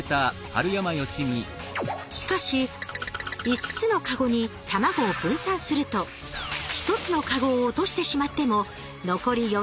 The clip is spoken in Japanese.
しかし５つのカゴに卵を分散すると１つのカゴを落としてしまっても残り４つは無事。